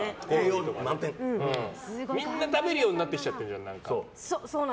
みんな食べるようになってきちゃったじゃん。